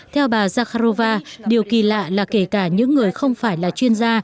theo bà zakharova điều kỳ lạ là kể cả những người không phải là chuyên gia